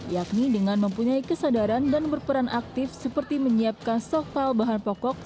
yakni dengan mempunyai kesadaran dan berperan aktif seperti menyiapkan soft file bahan pokok